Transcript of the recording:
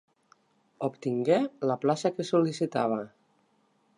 Obtingué la plaça que sol·licitava.